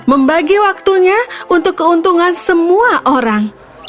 membagi waktunya untuk keuntungan semua orang